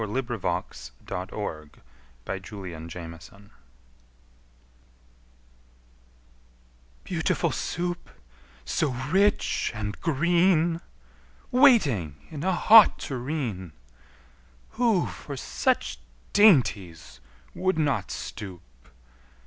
] Lewis Carroll Beautiful Soup BEAUTIFUL Soup, so rich and green, Waiting in a hot tureen! Who for such dainties would not stoop?